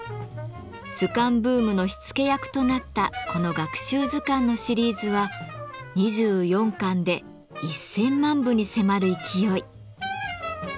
図鑑ブームの火付け役となったこの学習図鑑のシリーズは２４巻で１，０００万部に迫る勢い。